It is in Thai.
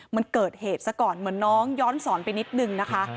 มันเกิดเหตุซะก่อนเหมือนน้องย้อนสอนไปนิดนึงนะคะ